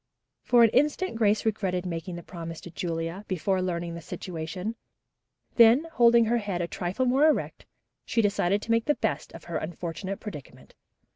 For an instant Grace regretted making the promise to Julia, before learning the situation; then, holding her head a trifle more erect, she decided to make the best of her unfortunate predicament.